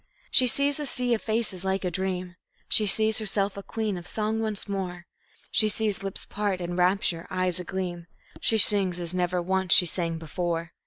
She sees a sea of faces like a dream; She sees herself a queen of song once more; She sees lips part in rapture, eyes agleam; She sings as never once she sang before.